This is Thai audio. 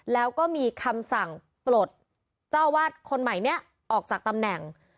แล้วก็มีคำสั่งปลดเจ้าวาดคนใหม่นี้ออกจากตำแหน่ง